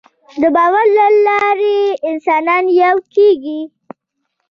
د باور له لارې انسانان یو کېږي.